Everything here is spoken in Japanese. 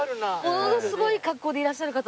ものすごい格好でいらっしゃるかと。